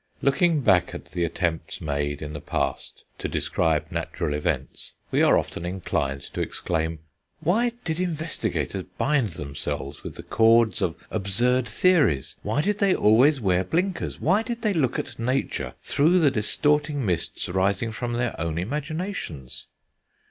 Looking back at the attempts made in the past to describe natural events, we are often inclined to exclaim, "Why did investigators bind themselves with the cords of absurd theories; why did they always wear blinkers; why did they look at nature through the distorting mists rising from their own imaginations?"